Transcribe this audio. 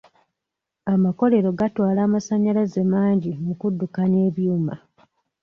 Amakolero gatwala amasanyalaze mangi mu kuddukanya ebyuma.